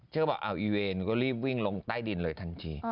เขาบอกเอาอีเวนหนูก็รีบวิ่งลงใต้ดินเลยทันที